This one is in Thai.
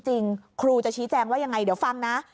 ครูจะชี้แจงว่ายังไงเดี๋ยวฟังนะ